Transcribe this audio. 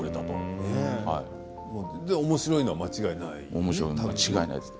おもしろいのは間違いないよね。